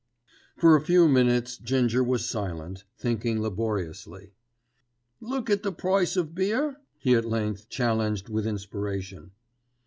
For a few minutes Ginger was silent, thinking laboriously. "Look at the price of beer?" he at length challenged with inspiration.